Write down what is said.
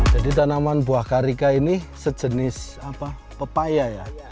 jadi tanaman buah karika ini sejenis pepaya ya